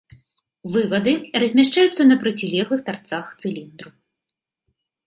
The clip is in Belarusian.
Вывады размяшчаюцца на процілеглых тарцах цыліндру.